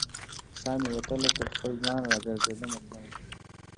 سا مې وتله تر خپل ځان، را ګرزیدمه تلمه